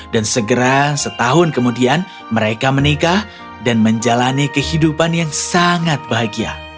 dan segera setahun kemudian mereka menikah dan menjalani kehidupan yang sangat bahagia